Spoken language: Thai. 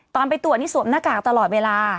ไปตรวจนี่สวมหน้ากากตลอดเวลา